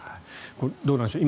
どうなんでしょう